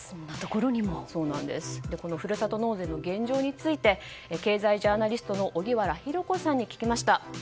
このふるさと納税の現状について経済ジャーナリストの荻原博子さんに聞きました。